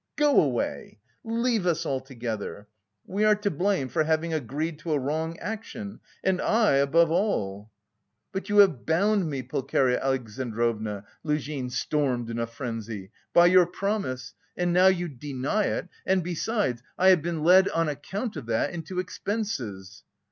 Go away, leave us altogether! We are to blame for having agreed to a wrong action, and I above all...." "But you have bound me, Pulcheria Alexandrovna," Luzhin stormed in a frenzy, "by your promise, and now you deny it and... besides... I have been led on account of that into expenses...."